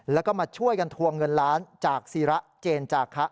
แล้วก็มาช่วยกันทวงเงินล้านจากศิระเจนจาคะ